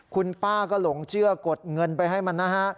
คุณป้าก็หลงเชื่อกดเงินไปให้มันนะฮะ